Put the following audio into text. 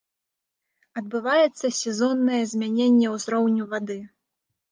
Адбываецца сезоннае змяненне ўзроўню вады.